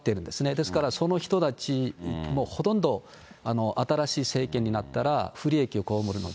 ですから、その人たちもほとんど、新しい政権になったら、不利益を被るので。